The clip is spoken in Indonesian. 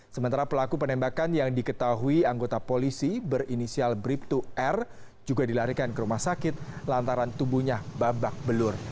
sementara pelaku penembakan yang diketahui anggota polisi berinisial brip dua r juga dilarikan ke rumah sakit lantaran tubuhnya babak belur